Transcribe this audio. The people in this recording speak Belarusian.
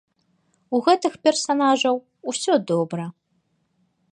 У гэтых персанажаў усё добра.